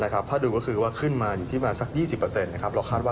ถ้าดูเป็นว่าขึ้นมาอยู่ที่สัก๒๐